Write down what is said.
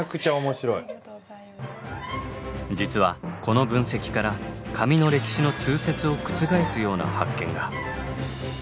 実はこの分析から紙の歴史の通説を覆すような発見が。